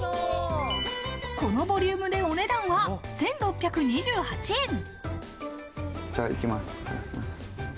このボリュームでお値段は１６２８円。